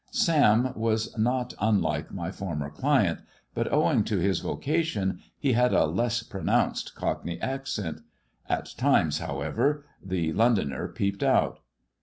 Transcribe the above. Sam was not unlike ny former client, but, owing to his vocation, he had a ess pronounced cockney accent. At times, however, the liondoner peeped out.